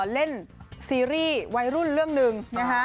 เล่นซีรีส์ไว้รุ่นเรื่องนึง